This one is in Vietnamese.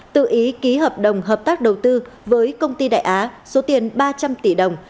tự ý ký hợp đồng hợp tác đầu tư với công ty đại á số tiền ba trăm linh tỷ đồng